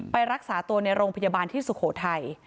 รักษาตัวในโรงพยาบาลที่สุโขทัย